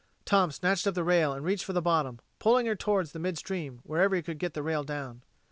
Tom snatched up the rail and reached for the bottom, poling her off towards midstream whenever he could get the rail down.